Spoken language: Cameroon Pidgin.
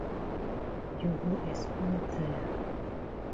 You go explain tire.